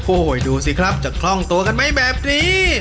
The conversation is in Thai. โอ้โหดูสิครับจะคล่องตัวกันไหมแบบนี้